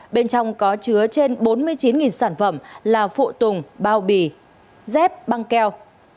bên trong có chứa trên bốn mươi chín sản phẩm là phụ tùng bao bì dép băng keo